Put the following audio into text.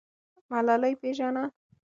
ملالۍ پیژنه.